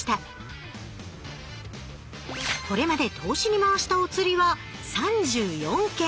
これまで投資に回したおつりは３４件。